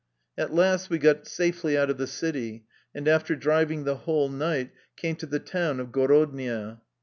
At last we safely got out of the city, and after driving the whole night came to the town of Gorodnia.